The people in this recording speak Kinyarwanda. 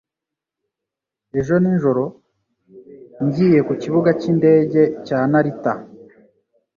Ejo nijoro ngiye ku kibuga cyindege cya Narita